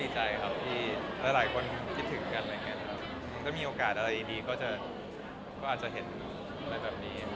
ถ้ามีโอกาสอะไรดีก็อาจจะเห็นอะไรแบบนี้